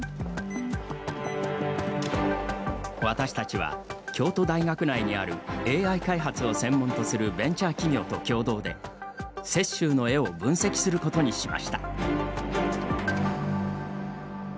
私たちは、京都大学内にあるＡＩ開発を専門とするベンチャー企業と共同で雪舟の絵を分析することにしました。